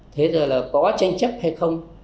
thế rồi là có tranh chấp hay không